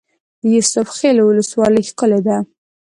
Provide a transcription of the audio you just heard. د یوسف خیل ولسوالۍ ښکلې ده